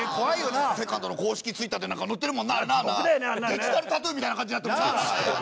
デジタルタトゥーみたいな感じになってるもんな。